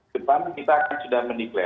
depan kita akan sudah meniklai